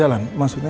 jalan dulu di sini ya